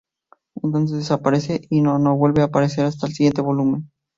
Entonces desaparece y no no vuelve a aparecer hasta el siguiente volumen.